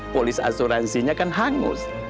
polis asuransinya kan hangus